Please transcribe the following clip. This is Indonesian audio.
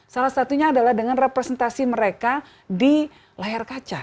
salah satunya adalah dengan representasi mereka di layar kaca